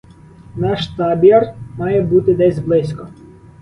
Наш табір має бути десь близько.